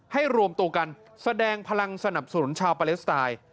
รวมตัวกันแสดงพลังสนับสนุนชาวปาเลสไตน์